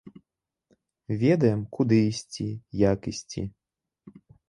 Ведаем, куды ісці, як ісці.